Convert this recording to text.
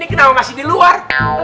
ini kenapa masih di luar